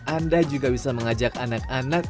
anda juga bisa mengajak anak anak